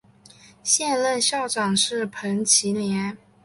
现任校长是彭绮莲。